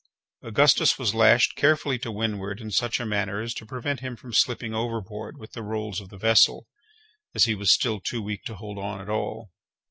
Augustus was lashed carefully to windward in such a manner as to prevent him from slipping overboard with the rolls of the vessel, as he was still too weak to hold on at all.